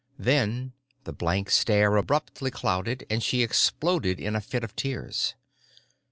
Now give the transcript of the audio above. Then the blank stare abruptly clouded and she exploded in a fit of tears.